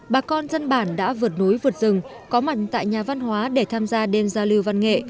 bà con dân bản đã vượt núi vượt rừng có mặt tại nhà văn hóa để tham gia đêm giao lưu văn nghệ